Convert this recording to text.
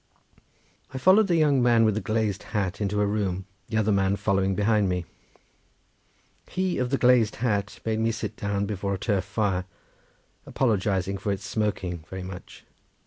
I followed the young man with the glazed hat into a room, the other man following behind me. He of the glazed hat made me sit down before a turf fire, apologising for its smoking very much.